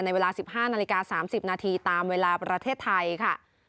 เวลา๑๕นาฬิกา๓๐นาทีตามเวลาประเทศไทยค่ะ